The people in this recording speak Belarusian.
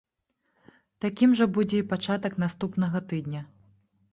Такім жа будзе і пачатак наступнага тыдня.